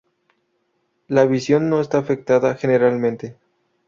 La visión no está afectada generalmente.